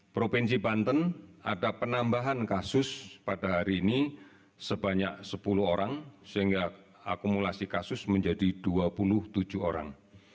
provinsi banten ada penambahan kasus pada hari ini sebanyak sepuluh orang sehingga akumulasi kasus menjadi dua puluh tujuh orang